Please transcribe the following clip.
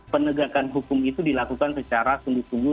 penegakan hukum itu dilakukan secara sungguh sungguh